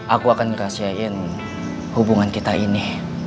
aku akan merahasiain hubungan kita ini